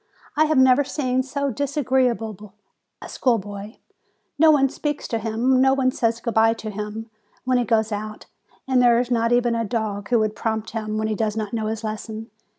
I have never seen so dis agreeable a schoolboy ! No one speaks to him, no one says good bye to him when he goes out; there is not even a dog who would prompt him when he does not know his lesson.